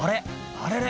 あれれ？